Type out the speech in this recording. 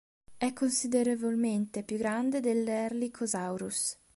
È considerevolmente più grande dell"'Erlikosaurus".